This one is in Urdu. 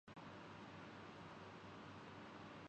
صاحبان عزیمت کی داستانیں ہیں